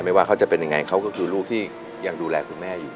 ว่าเขาจะเป็นยังไงเขาก็คือลูกที่ยังดูแลคุณแม่อยู่